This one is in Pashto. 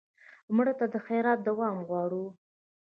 مړه ته د خیرات دوام غواړو